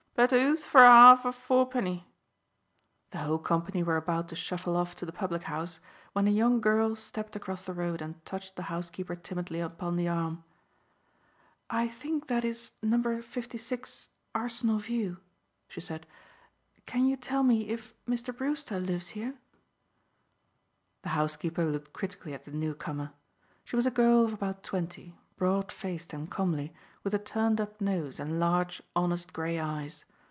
"But who's for a 'arf of fourpenny?" The whole company were about to shuffle off to the public house, when a young girl stepped across the road and touched the housekeeper timidly upon the arm. "I think that is No. 56 Arsenal View," she said. "Can you tell me if Mr. Brewster lives here?" The housekeeper looked critically at the newcomer. She was a girl of about twenty, broad faced and comely, with a turned up nose and large, honest grey eyes.